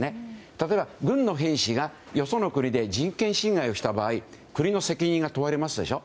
例えば、軍の兵士がよその国で人権侵害をした場合国の責任が問われますでしょ。